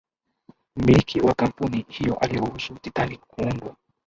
mmliki wa kampuni hiyo aliruhusu titanic kuundwa